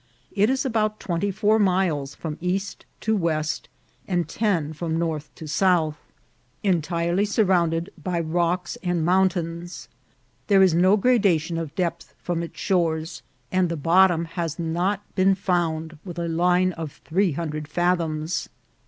It is about twen ty four miles from east to west, and ten from north to 160 INCIDENTS OF TRAVEL. south, entirely surrounded by rocks and mountains. There is no gradation of depth from its shores, and the bottom has not been found with a line of three hundred fathoms.